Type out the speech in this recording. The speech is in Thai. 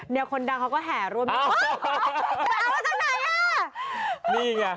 มีไง